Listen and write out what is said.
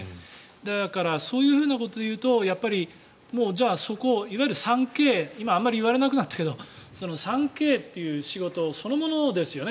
だからそういうことで言うとじゃあ、そこをいわゆる３Ｋ今、あまり言われなくなったけど３Ｋという仕事そのものですよね。